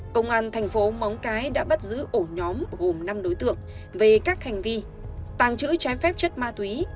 công an thành phố móng cái đã bắt giữ ổ nhóm gồm năm đối tượng về các hành vi tàng trữ trái phép chất ma túy